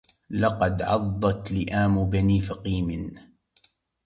لقد عضت لئام بني فقيم